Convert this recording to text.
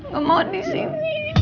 gak mau disini